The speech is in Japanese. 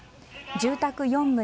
住宅４棟